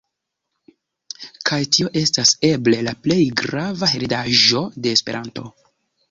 Kaj tio estas eble la plej grava heredaĵo de Esperanto.